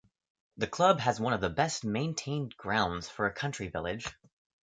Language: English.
The club has one of the best maintained grounds for a country village.